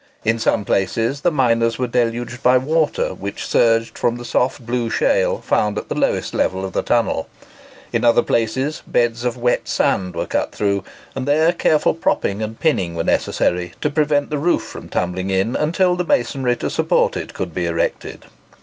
In some places the miners were deluged by water, which surged from the soft blue shale found at the lowest level of the tunnel. In other places, beds of wet sand were cut through; and there careful propping and pinning were necessary to prevent the roof from tumbling in, until the masonry to support it could be erected.